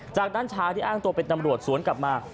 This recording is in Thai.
จากนั้นชายที่อ้างตัวเป็นตำรวจสวนกลับมา